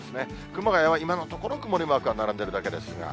熊谷は今のところ、曇りマークが並んでいるだけですが。